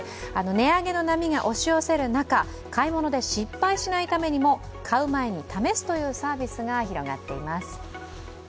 値上げの波が押し寄せる中買い物で失敗しないためにも買う前に試すというサービスが広がっています。